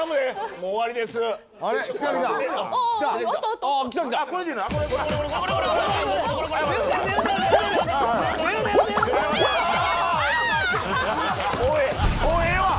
もうええわ！